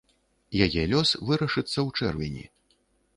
Яе лёс вырашыцца ў чэрвені.